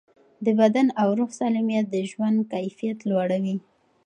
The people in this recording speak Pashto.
د بدن او روح سالمیت د ژوند کیفیت لوړوي.